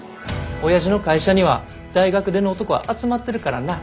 親父の会社には大学出の男が集まってるからな。